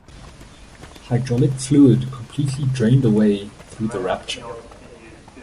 Hydraulic fluid completely drained away through the rupture.